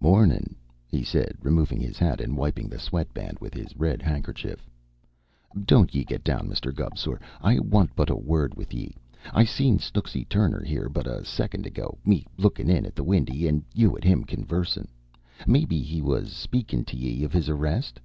"Mawrnin'!" he said, removing his hat and wiping the sweat band with his red handkerchief. "Don't ye get down, Misther Gubb, sor. I want but a wurrd with ye. I seen Snooksy Tur rner here but a sicond ago, me lookin' in at the windy, an' you an' him conversin'. Mayhap he was speakin' t' ye iv his arrist?"